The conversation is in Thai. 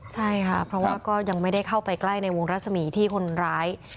ใช่ค่ะเพราะว่าก็ยังไม่ได้เข้าไปใกล้ในวงรัศมีที่คนร้าย